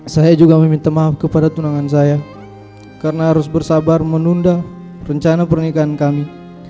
saya juga meminta maaf kepada tunangan saya karena harus bersabar menunda rencana pernikahan kami